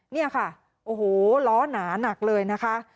นี่ค่ะโอ้โหล้อหนาหนักเลยนะคะ